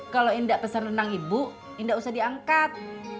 kalau indah peserunang ibu indah usah diangkat